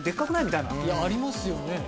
いやありますよね。